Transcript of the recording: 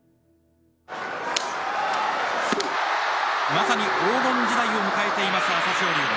まさに黄金時代を迎えています朝青龍です。